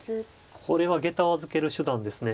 これはげたを預ける手段ですね。